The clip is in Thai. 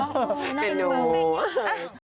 ไม่รู้